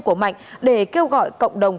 của mạnh để kêu gọi cộng đồng